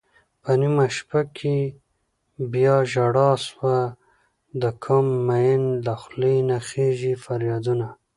په نېمه شپه کې بياژړا سوه دکوم مين له خولې نه خيژي فريادونه